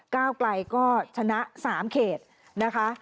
ก้าวไกลก็ชนะ๓เขตนะคะ